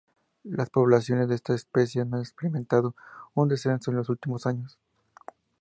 Las poblaciones de esta especie has experimentado un descenso en los últimos años.